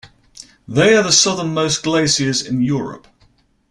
They are the southernmost glaciers in Europe.